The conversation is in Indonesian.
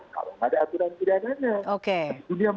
kalau nggak ada aturan pidananya